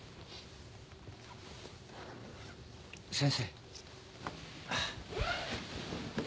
先生。